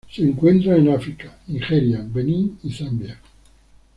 Se encuentran en África: Nigeria, Benín y Zambia.